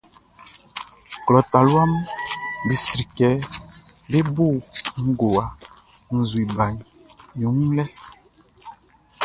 Klɔ taluaʼm be sri kɛ bé bó ngowa nzue baʼn i wun lɛʼn.